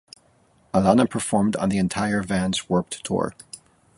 Alana performed on the entire Vans Warped Tour.